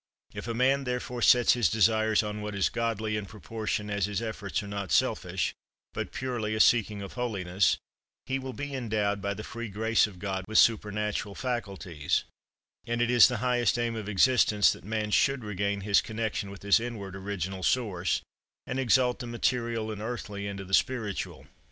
"If a man therefore sets his desires on what is godly, in proportion as his efforts are not selfish, but purely a seeking of holiness, he will be endowed, by the free grace of God, with supernatural faculties; and it is the highest aim of existence, that man should regain his connection with his inward, original source, and exalt the material and earthly into the spiritual."